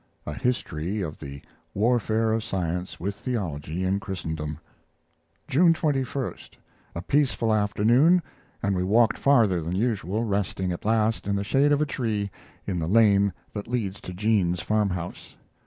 ['A History of the Warfare of Science with Theology in Christendom'.] June 21. A peaceful afternoon, and we walked farther than usual, resting at last in the shade of a tree in the lane that leads to Jean's farm house.